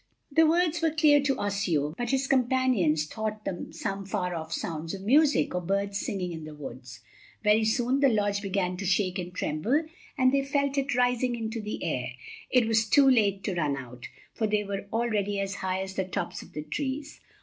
The words were clear to Osseo, but his companions thought them some far off sounds of music, or birds singing in the woods. Very soon the lodge began to shake and tremble, and they felt it rising into the air. It was too late to run out, for they were already as high as the tops of the trees.